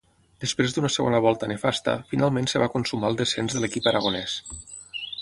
Després d'una segona volta nefasta, finalment es va consumar el descens de l'equip aragonès.